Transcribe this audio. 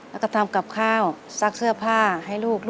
แล้วก็ทำกับข้าวซักเสื้อผ้าให้ลูก